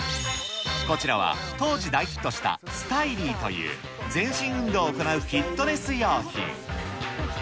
こちらは当時大ヒットしたスタイリーという、全身運動を行うフィットネス用品。